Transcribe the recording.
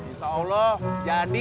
insya allah jadi